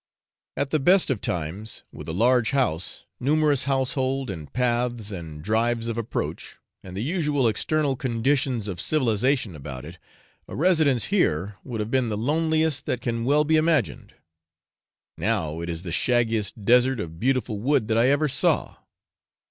At the best of times, with a large house, numerous household, and paths, and drives of approach, and the usual external conditions of civilisation about it, a residence here would have been the loneliest that can well be imagined; now it is the shaggiest desert of beautiful wood that I ever saw.